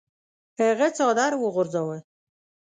هغه څادر وغورځاوه.